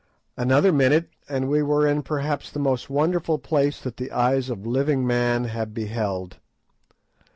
Another minute, and we were in perhaps the most wonderful place that the eyes of living man have beheld.